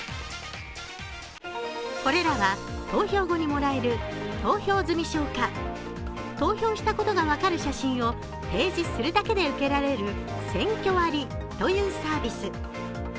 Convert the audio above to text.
これらは、投票後にもらえる投票済証か投票したことが分かる写真を提示するだけて受けられるセンキョ割というサービス。